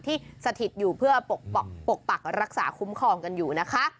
สถิตอยู่เพื่อปกปักรักษาคุ้มครองกันอยู่นะคะ